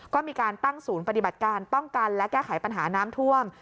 ก็มีการตั้งศูนย์ปฏิบัติการป้องกันและแก้ไขปัญหาน้ำท่วม